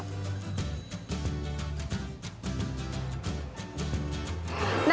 kepiting bakar petai siap disantap